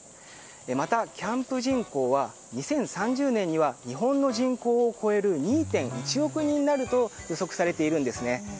またキャンプ人口は２０３０年には日本の人口を超える２．１億人になると予測されているんですね。